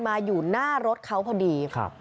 มาอยู่หน้ารถเขาพอดี